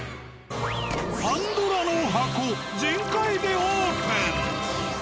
パンドラの箱全開でオープン！